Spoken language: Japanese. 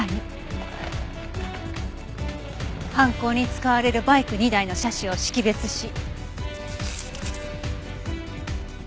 犯行に使われるバイク２台の車種を識別し。